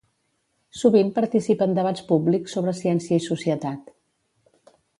Sovint participa en debats públics sobre ciència i societat.